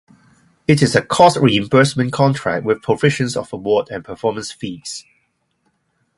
It is a cost reimbursement contract, with provisions for award and performance fees.